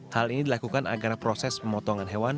hal ini dilakukan agar proses pemotongan hewan